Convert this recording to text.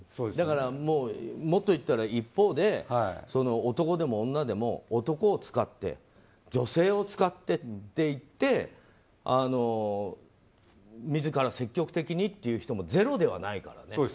もっと言ったら一方で、男でも女でも男を使って女性を使ってっていって自ら積極的にという人もゼロではないからね。